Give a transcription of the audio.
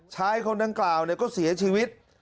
ชายคนดังกล่าวก็เสียชีวิต